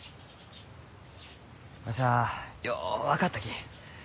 わしはよう分かったき。